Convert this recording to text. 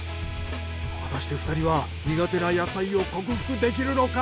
果たして２人は苦手な野菜を克服できるのか！？